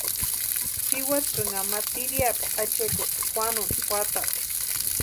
Jiwatsïnha ma tiriapu achekusti Juanuni juatarhu.